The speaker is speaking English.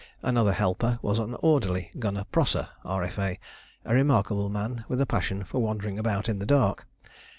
Another helper was an orderly, Gunner Prosser, R.F.A., a remarkable man with a passion for wandering about in the dark.